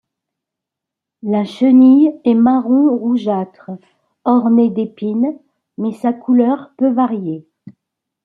La chenille est marron rougeâtre, ornée d'épines mais sa couleur peut varier.